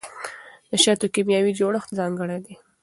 د شاتو کیمیاوي جوړښت ځانګړی دی.